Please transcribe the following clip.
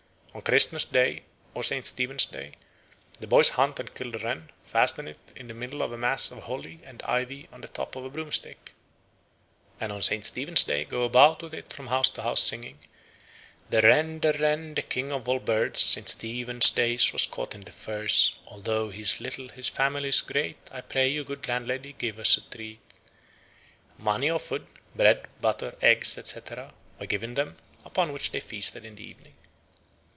On Christmas Day or St. Stephen's Day the boys hunt and kill the wren, fasten it in the middle of a mass of holly and ivy on the top of a broomstick, and on St. Stephen's Day go about with it from house to house, singing: "The wren, the wren, the king of all birds, St. Stephen's Day was caught in the furze; Although he is little, his family's great, I pray you, good landlady, give us a treat." Money or food (bread, butter, eggs, etc.) were given them, upon which they feasted in the evening.